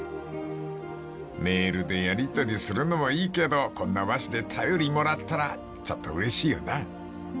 ［メールでやりとりするのもいいけどこんな和紙で便りもらったらちょっとうれしいよな］